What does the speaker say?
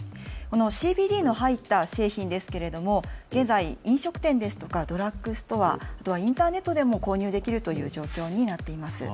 このＣＢＤが入った製品ですけれども現在、飲食店ですとかドラッグストア、インターネットでも購入できるという状況になっています。